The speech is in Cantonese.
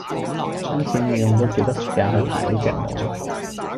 今次你用咗幾多時間去排呢隻舞￼